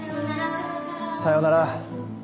さようなら。